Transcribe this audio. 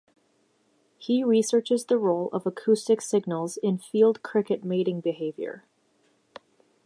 He researches the role of acoustic signals in field cricket mating behaviour.